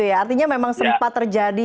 artinya memang sempat terjadi